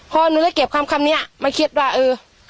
พอหนูได้เก็บคำคำนี้มาคิดว่าเออ